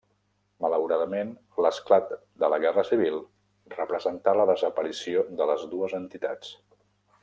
Malauradament, l'esclat de la guerra civil representà la desaparició de les dues entitats.